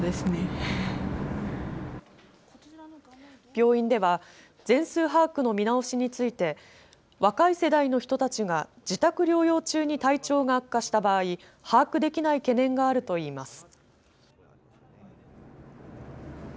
病院では全数把握の見直しについて若い世代の人たちが自宅療養中に体調が悪化した場合、把握できない懸念があると言います。